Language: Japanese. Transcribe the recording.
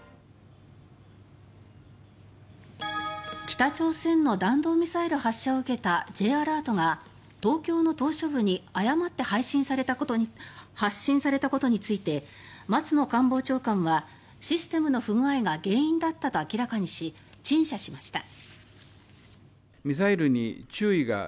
北朝鮮の弾道ミサイル発射を受けたＪアラートが東京の島しょ部に誤って配信されたことについて松野官房長官はシステムの不具合が原因だったと明らかにし、陳謝しました。